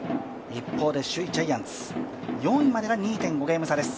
一方で首位・ジャイアンツ、４位までが２．５ゲーム差です。